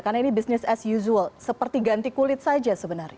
karena ini business as usual seperti ganti kulit saja sebenarnya